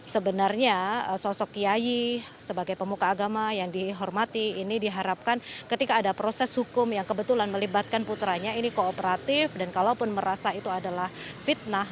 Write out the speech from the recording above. sebenarnya sosok kiai sebagai pemuka agama yang dihormati ini diharapkan ketika ada proses hukum yang kebetulan melibatkan putranya ini kooperatif dan kalaupun merasa itu adalah fitnah